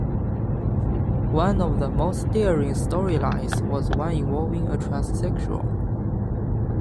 One of the most daring storylines was one involving a transsexual.